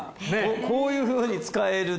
こういうふうに使えるって。